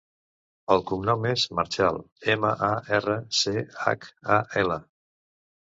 El cognom és Marchal: ema, a, erra, ce, hac, a, ela.